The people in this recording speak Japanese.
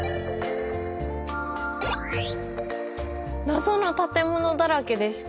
謎の建物だらけでしたね。